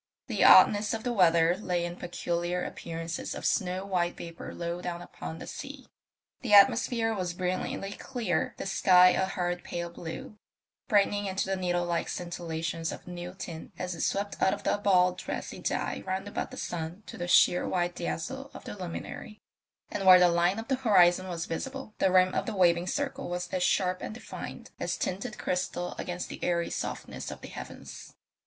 The oddness of the weather lay in peculiar appearances of snow white vapour low down upon the sea. The atmosphere was brilliantly clear, the sky a hard pale blue, brightening into the needle like scintillations of new tin as it swept out of a bald brassy dye round about the sun to the sheer white dazzle of the luminary; and where the line of the horizon was visible the rim of the waving circle was as sharp and defined as tinted crystal against the airy softness of the heavens.